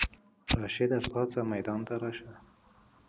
راشده پاڅه ميدان ته راشه!